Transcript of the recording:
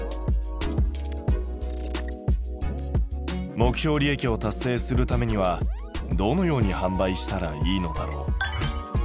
目標利益を達成するためにはどのように販売したらいいのだろう？